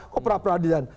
kok para peradilan